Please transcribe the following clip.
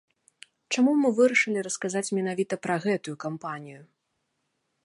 Чаму мы вырашылі расказаць менавіта пра гэтую кампанію?